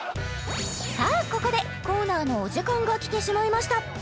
さあここでコーナーのお時間が来てしまいました